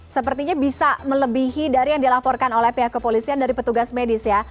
sepertinya bisa melebihi dari yang dilaporkan oleh pihak kepolisian dari petugas medis ya